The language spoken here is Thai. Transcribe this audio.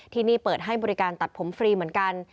ที่นี่เปิดให้บริการตัดผมฟรีเหมือนกัน